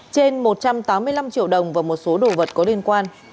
trên một trăm tám mươi năm triệu đồng và một số đồ vật có liên quan